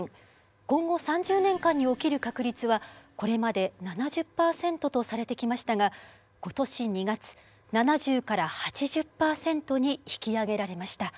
今後３０年間に起きる確率はこれまで７０％とされてきましたが今年２月７０８０％に引き上げられました。